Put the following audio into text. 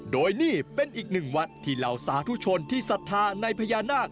โดยนี่เป็นอีกหนึ่งวัดที่เหล่าสาธุชนที่ศรัทธาในพญานาค